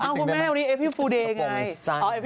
อ้าวคุณแม่วันนี้อัพพี่ฟูเดน่ะไง